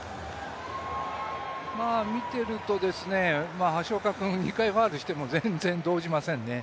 見ていると、橋岡君、２回ファウルしても全然動じませんね。